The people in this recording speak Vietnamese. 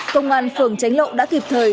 công an phường tránh lộ đã kịp thời